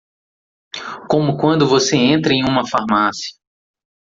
Como quando você entra em uma farmácia.